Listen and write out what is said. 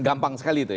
gampang sekali itu ya